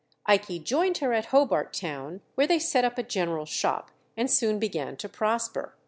Ikey joined her at Hobart Town, where they set up a general shop, and soon began to prosper.